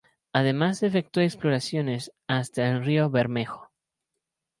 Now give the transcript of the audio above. Además, efectuó exploraciones hasta el río Bermejo.